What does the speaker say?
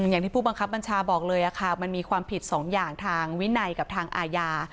อย่างที่ผู้บังคับบัญชาบอกเลยค่ะมันมีความผิดสองอย่างทางวินัยกับทางอาญา